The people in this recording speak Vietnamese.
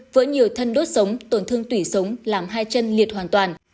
với nhiều thân đốt sống tổn thương tủy sống làm hai chân liệt hoàn toàn